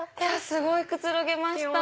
すごいくつろげました！